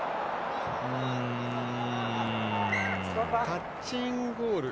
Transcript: タッチインゴール。